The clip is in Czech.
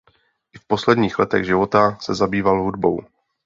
I v posledních letech života se zabýval hudbou.